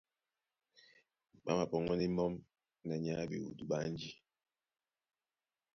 Ɓá mapɔŋgɔ́ ndé mbɔ́m na nyay á ɓewudú ɓé ánjí,